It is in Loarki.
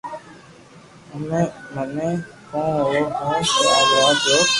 ھمي مني ڪر وہ ھي ڪي آج رات رو